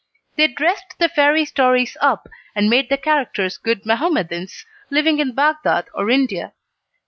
They dressed the fairy stories up, and made the characters good Mahommedans, living in Bagdad or India.